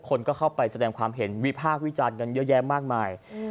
คนก็เข้าไปแสดงความเห็นวิพากษ์วิจารณ์กันเยอะแยะมากมาย